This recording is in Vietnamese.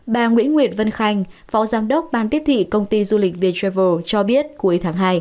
bà nguyễn nguyệt vân khanh phó giám đốc ban tiếp thị công ty du lịch vi travel cho biết cuối tháng hai